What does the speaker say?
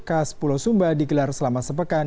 khas pulau sumba digelar selama sepekan